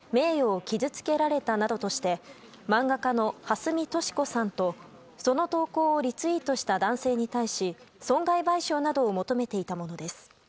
自身を中傷するイラストをツイッターに投稿され名誉を傷つけられたなどとして漫画家のはすみとしこさんとその投稿をリツイートした男性に対し、損害賠償などを求めていたものです。